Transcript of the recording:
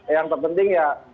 yang terpenting ya